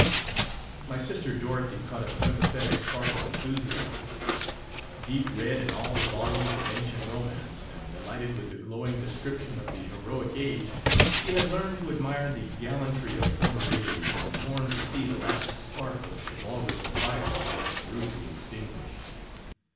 My sister Dorothy caught a sympathetic spark of enthusiasm ;— deep read in all the volumes of ancient romance, and delighted with the glowing description of the heroic age, she had learned to admire the gallantry of former days, and mourned to see the last spark of chivalric fire thus rudely extin guished.